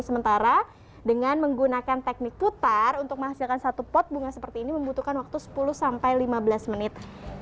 sementara dengan menggunakan teknik putar untuk menghasilkan satu pot bunga seperti ini membutuhkan waktu sepuluh sampai lima belas menit